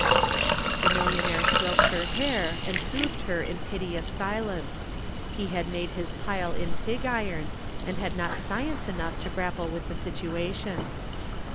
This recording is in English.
The millionaire stroked her hair, and soothed her in piteous silence. He had made his pile in pig iron, and had not science enough to grapple with the situation.